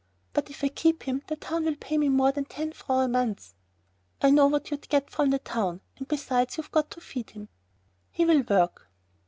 "But if I keep him the town will pay me more than ten francs a month." "I know what you'd get from the town, and besides you've got to feed him." "He will work."